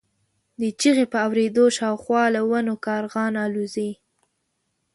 د چیغې په اورېدو شاوخوا له ونو کارغان الوځي.